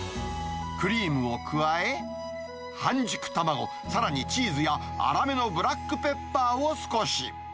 クリームを加え、半熟卵、さらにチーズや粗めのブラックペッパーを少し。